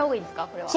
これは。